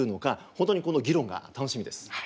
本当にこの議論が楽しみです。